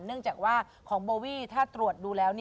เนื่องจากว่าของโบวี่ถ้าตรวจดูแล้ว